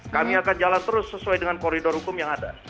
kami akan jalan terus sesuai dengan koridor hukum yang ada